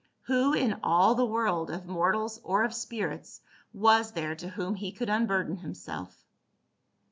Who in all the world of mortals or of spirits was there to whom he could unburden himself?